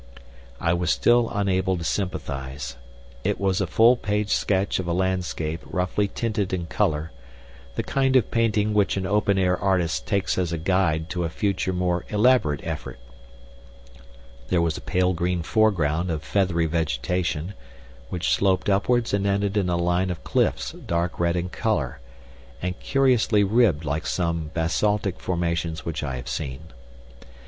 I was still unable to sympathize. It was a full page sketch of a landscape roughly tinted in color the kind of painting which an open air artist takes as a guide to a future more elaborate effort. There was a pale green foreground of feathery vegetation, which sloped upwards and ended in a line of cliffs dark red in color, and curiously ribbed like some basaltic formations which I have seen.